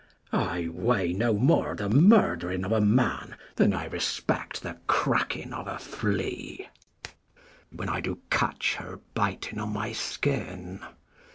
I weigh no more the murd'ring of a man, 55 Than I respect the cracking of a flea, When I do catch her biting on my skin.